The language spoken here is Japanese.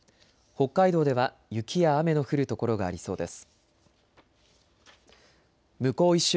北海道では雪や雨の降る所がありそうです。